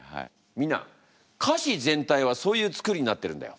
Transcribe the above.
みんな歌詞全体はそういう作りになってるんだよ。